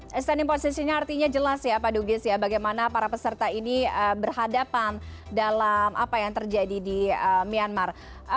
oke standing position nya artinya jelas ya pak dugis ya bagaimana para peserta ini berhadapan dalam apa yang terjadi di myanmar